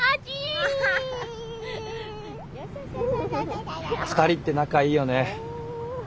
２人って仲いいよね。